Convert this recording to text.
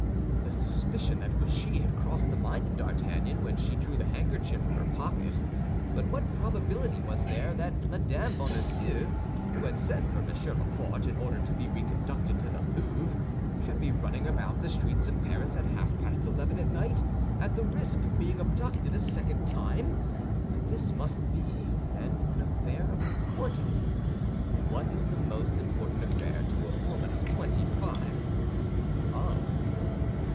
The suspicion that it was she had crossed the mind of D'Artagnan when she drew the handkerchief from her pocket; but what probability was there that Mme. Bonacieux, who had sent for M. Laporte in order to be reconducted to the Louvre, should be running about the streets of Paris at half past eleven at night, at the risk of being abducted a second time? This must be, then, an affair of importance; and what is the most important affair to a woman of twenty five! Love.